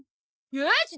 よし！